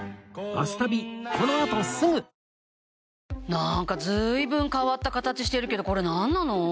なんか随分変わった形してるけどこれなんなの？